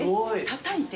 たたいて？